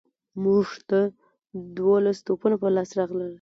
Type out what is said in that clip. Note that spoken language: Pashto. موږ ته دوولس توپونه په لاس راغلل.